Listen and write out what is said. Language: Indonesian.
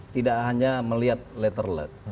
tidak hanya melihat letter leard